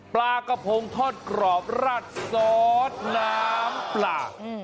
ปลากระพงทอดกรอบราดซอสน้ำปลา